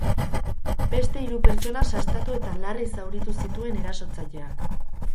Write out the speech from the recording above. Beste hiru pertsona sastatu eta larri zauritu zituen erasotzaileak.